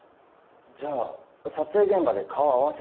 じゃあ撮影現場で顔を合わせてた？